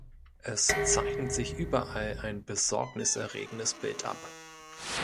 Es zeichnet sich überall ein besorgniserregendes Bild ab.